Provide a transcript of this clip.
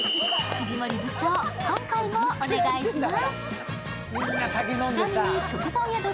藤森部長、今回もお願いします。